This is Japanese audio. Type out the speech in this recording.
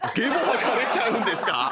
吐かれちゃうんですか！？